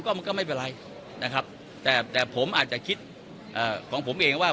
ก็มันก็ไม่เป็นไรนะครับแต่แต่ผมอาจจะคิดของผมเองว่า